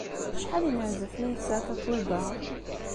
Acḥal n yinerzafen ay yesɛa Tatoeba?